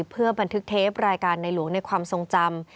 เพื่อบันทึกเทปรายการในหลวงในความทรงจำ